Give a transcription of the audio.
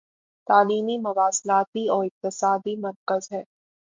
تعلیمی مواصلاتی و اقتصادی مرکز ہے